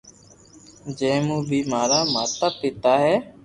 جي مون ٻي مارا ماتا پيتا ھي